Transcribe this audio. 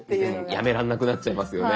やめらんなくなっちゃいますよね。